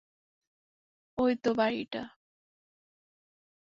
ওই তো বাড়িটা।